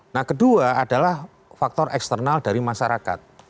nah kedua adalah faktor eksternal dari masyarakat